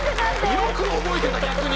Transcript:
よく覚えてた逆に！